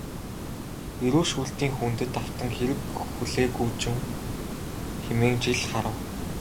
Эрүү шүүлтийн хүндэд автан хэрэг хүлээгүүжин хэмээн жил харав.